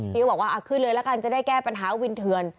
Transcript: พี่ก็บอกว่าขึ้นเลยละกันจะได้แก้ปัญหาวินเถื่อน